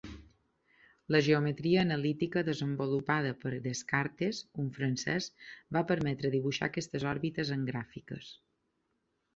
La geometria analítica desenvolupada per Descartes, un francès, va permetre dibuixar aquestes òrbites en gràfiques.